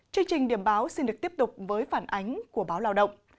chương trình điểm báo xin được tiếp tục với phản ánh của báo lao động